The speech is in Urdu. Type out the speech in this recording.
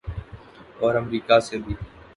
اور امریکہ سے بھی۔